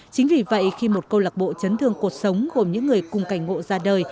chính vì vậy khi một câu lạc bộ chấn thương cuộc sống gồm những người cùng cảnh ngộ